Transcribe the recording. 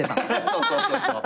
そうそうそうそう。